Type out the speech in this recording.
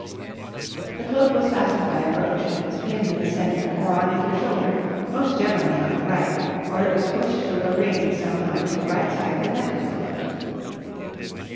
The cloak was fastened by a brooch, and was pinned in the centre or on either shoulder, most generally on the right; or it was pushed through a ring sewn on to the right side of the neck of the cloak.